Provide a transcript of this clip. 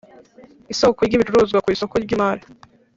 Isoko ry ibicuruzwa ku isoko ry imari